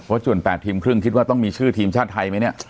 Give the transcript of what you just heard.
ส่วน๘ทีมครึ่งคิดว่าต้องมีชื่อทีมชาติไทยไหมเนี่ย